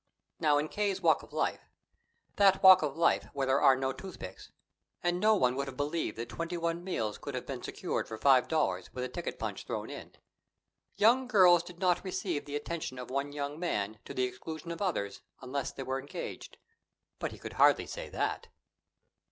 Now, in K.'s walk of life that walk of life where there are no toothpicks, and no one would have believed that twenty one meals could have been secured for five dollars with a ticket punch thrown in young girls did not receive the attention of one young man to the exclusion of others unless they were engaged. But he could hardly say that.